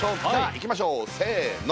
いきましょうせの！